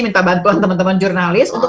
minta bantuan teman teman jurnalis untuk